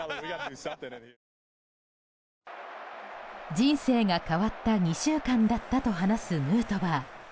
人生が変わった２週間だったと話すヌートバー。